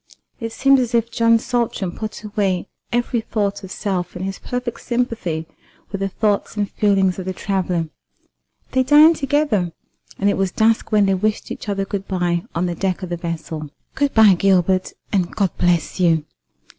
It seemed as if John Saltram put away every thought of self in his perfect sympathy with the thoughts and feelings of the traveller. They dined together, and it was dusk when they wished each other good bye on the deck of the vessel. "Good bye, Gilbert, and God bless you!